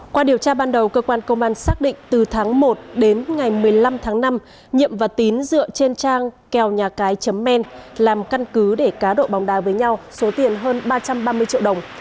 qua điều tra ban đầu cơ quan công an xác định từ tháng một đến ngày một mươi năm tháng năm nhiệm và tín dựa trên trang kèo nhà cái chấm men làm căn cứ để cá độ bóng đá với nhau số tiền hơn ba trăm ba mươi triệu đồng